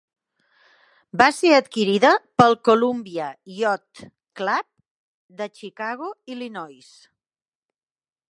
Va ser adquirida pel Columbia Yacht Club de Chicago, Illinois.